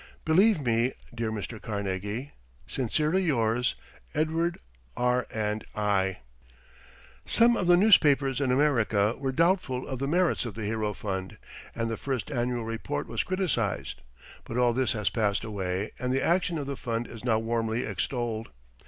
Believe me, dear Mr. Carnegie, Sincerely yours EDWARD R. & I. Some of the newspapers in America were doubtful of the merits of the Hero Fund and the first annual report was criticized, but all this has passed away and the action of the fund is now warmly extolled.